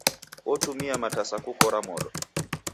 Otumia matasa kukora modo.